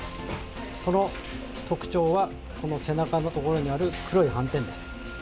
その特徴は背中のところにある黒い斑点です。